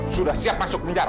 sudah siap masuk penjara